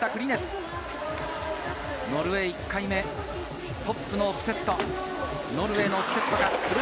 ノルウェー１回目、トップのオプセット。